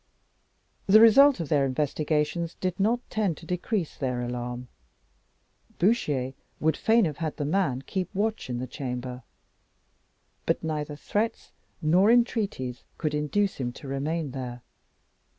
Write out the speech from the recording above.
The result of their investigations did not tend to decrease their alarm. Bouchier would fain have had the man keep watch in the chamber, but neither threats nor entreaties could induce him to remain there.